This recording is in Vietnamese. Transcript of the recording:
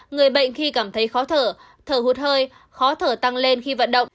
người bệnh khi cảm thấy khó thở thở hụt hơi khó thở tăng lên khi vận động